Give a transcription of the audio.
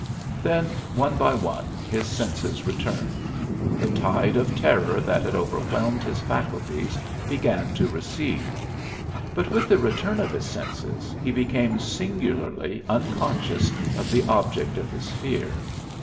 Then, one by one, his senses returned; the tide of terror that had overwhelmed his faculties began to recede. But with the return of his senses he became singularly unconscious of the object of his fear.